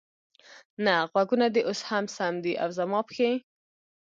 نه، غوږونه دې اوس هم سم دي، او زما پښې؟